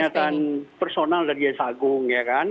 jadi itu kan baru pernyataan personal dari jaksa agung ya kan